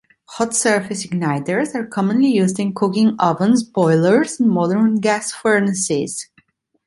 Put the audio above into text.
Hot-surface igniters are commonly used in cooking ovens, boilers, and modern gas furnaces.